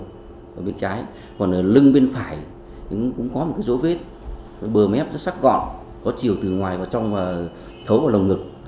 tử thi khi đến thì đã phân hủy nặng còn có phần ngực bên trái còn có phần ngực bên trái còn lưng bên phải cũng có một dấu vết bừa mép sắc gọn có chiều hướng từ ngoài vào trong thấu vào lồng ngực